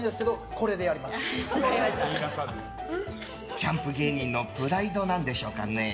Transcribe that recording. キャンプ芸人のプライドなんでしょうかね。